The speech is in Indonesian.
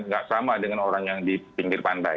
nggak sama dengan orang yang di pinggir pantai